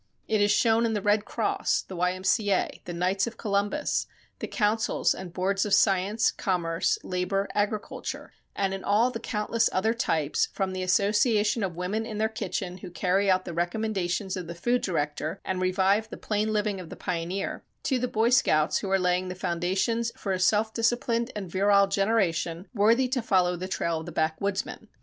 It is shown in the Red Cross, the Y. M. C. A., the Knights of Columbus, the councils and boards of science, commerce, labor, agriculture; and in all the countless other types, from the association of women in their kitchen who carry out the recommendations of the Food Director and revive the plain living of the pioneer, to the Boy Scouts who are laying the foundations for a self disciplined and virile generation worthy to follow the trail of the backwoodsmen.